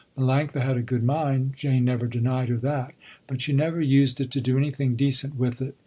Melanctha had a good mind, Jane never denied her that, but she never used it to do anything decent with it.